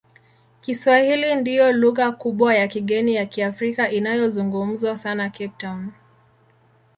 Kiswahili ndiyo lugha kubwa ya kigeni ya Kiafrika inayozungumzwa sana Cape Town.